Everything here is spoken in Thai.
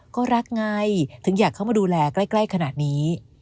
ก็รักไงถึงอยากเข้ามาดูแลใกล้ขนาดนี้